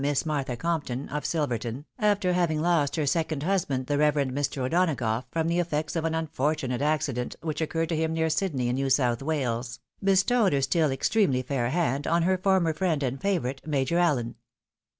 Miss Martha Compton, of SUverton, after having lost her second husband, the Reverend Mr. O'Donagough, from the effects of an unfortunate accident, which occurred to him near Sydney, in New South Wales, bestowed her stiU extremely fair hand on her former friend and favourite. Major AUen.